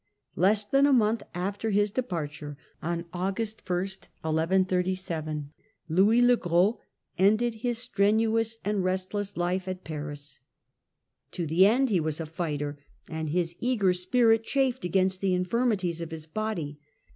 Death of Lcss than a month after his departure, on August 1, 1137, 1137^^^" Louis le Gros ended his strenuous and restless life at Paris. To the last he was a fighter, and his eager spirit chafed against the infirmities of his body.